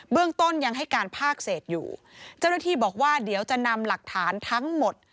เรื่องต้นยังให้การภาคเศษอยู่เจ้าหน้าที่บอกว่าเดี๋ยวจะนำหลักฐานทั้งหมด